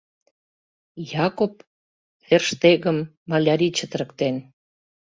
Якоб Ферштегым малярий чытырыктен.